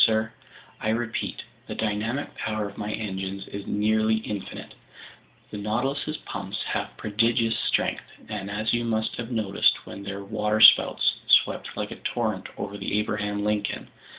"Sir, I repeat: the dynamic power of my engines is nearly infinite. The Nautilus's pumps have prodigious strength, as you must have noticed when their waterspouts swept like a torrent over the Abraham Lincoln.